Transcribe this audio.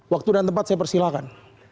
waktu dan tempat saya persilahkan